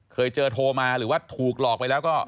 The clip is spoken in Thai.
เคยเจอโทรมาหรือว่าถูกหลอกไปแล้วก็